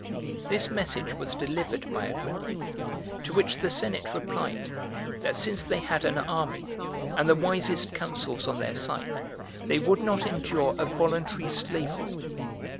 3. This message was delivered by Agrippa; to which the senate replied, that since they had an army, and the wisest counsels on their side, they would not endure a voluntary slavery.